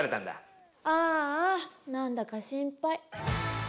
ああなんだか心配。